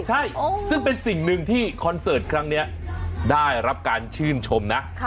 ใช่ซึ่งเป็นสิ่งหนึ่งที่คอนเสิร์ตครั้งนี้ได้รับการชื่นชมนะ